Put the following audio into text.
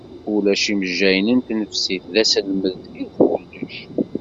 Ulac imejjayen n tnefsit, d aselmad i d kullec.